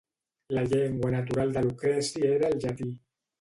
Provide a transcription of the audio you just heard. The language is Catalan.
La llengua natural de Lucreci era el llatí.